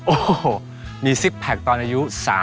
โอ้โหมีซิกแพคตอนอายุ๓๐